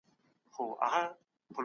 تلوار د خطا ملګری دی